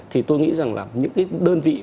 thì tôi nghĩ rằng là những đơn vị